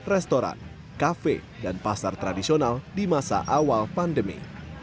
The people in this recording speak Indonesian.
restoran kafe dan pasar tradisional di masa awal pandemi